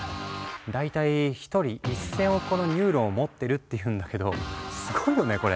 大体１人１，０００億個のニューロンを持ってるっていうんだけどすごいよねこれ。